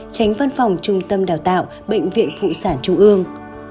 tránh văn phòng trung tâm đào tạo bệnh viện phụ sản trung ương